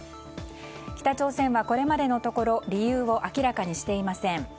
北朝鮮はこれまでのところ理由を明らかにしていません。